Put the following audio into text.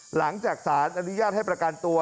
หลังจากสารอนุญาตให้ประกันตัว